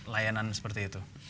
layanan seperti itu